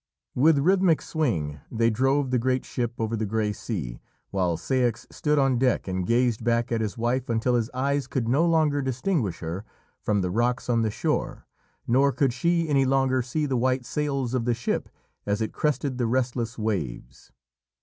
With rhythmic swing they drove the great ship over the grey sea, while Ceyx stood on deck and gazed back at his wife until his eyes could no longer distinguish her from the rocks on the shore, nor could she any longer see the white sails of the ship as it crested the restless waves.